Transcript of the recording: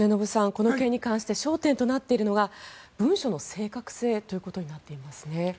この件に関して焦点となっているのが文書の正確性となっていますね。